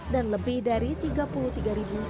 dan lebih dari tiga puluh tiga kesembuhan